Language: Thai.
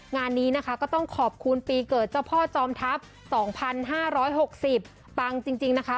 งานนี้นะคะก็ต้องขอบคุณปีเกิดเจ้าพ่อจอมทัพ๒๕๖๐ปังจริงนะคะ